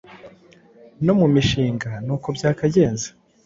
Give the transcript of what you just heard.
No mu mishinga ni uko byakagenze.